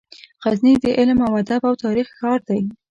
غزني د علم، ادب او تاریخ ښار دی.